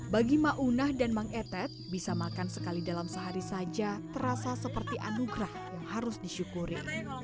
bagi maunah dan mang etet bisa makan sekali dalam sehari saja terasa seperti anugerah yang harus disyukuri